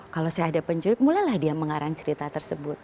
kalau saya ada penculik mulalah dia mengarang cerita tersebut